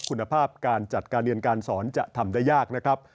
คุณภาพการจัดการเรียนการสอนจะทำได้ยากนะครับ